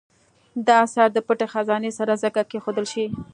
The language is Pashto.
دا اثر د پټې خزانې سره ځکه کېښودل شي.